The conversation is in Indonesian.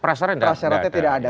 prasaratnya tidak ada